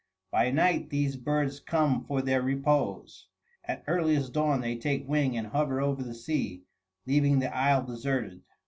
By night these birds come for their repose; at earliest dawn they take wing and hover over the sea, leaving the isle deserted.